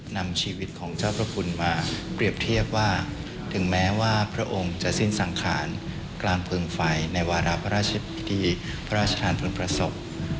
นำชีวิตของเจ้าพระคุณมาเปรียบเทียบว่าถึงแม้ว่าพระองค์จะสิ้นสังขารกลางเพลิงไฟในวาระพระราชพิธีพระราชทานเพลิงพระศพ